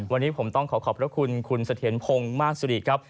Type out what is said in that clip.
วันนี้ผมต้องขอบพระคุณคุณสะเทียนพงษ์มาสุรีครับ